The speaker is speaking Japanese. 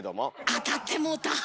当たってもうた。